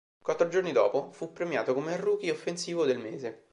Quattro giorni dopo, fu premiato come rookie offensivo del mese.